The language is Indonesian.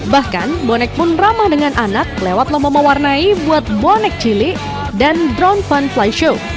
bahkan bonek pun ramah dengan anak lewat lomba mewarnai buat bonek cili dan drone funfly